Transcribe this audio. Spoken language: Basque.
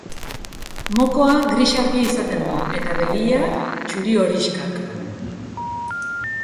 Mokoa gris argia izaten du, eta begiak zuri-horixkak.